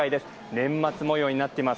年末模様になっています。